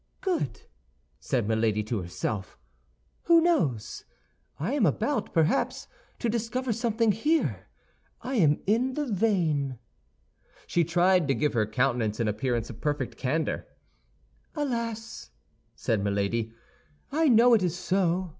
"Good!" said Milady to herself; "who knows! I am about, perhaps, to discover something here; I am in the vein." She tried to give her countenance an appearance of perfect candor. "Alas," said Milady, "I know it is so.